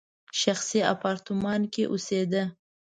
شخصي اپارتمان کې اوسېده.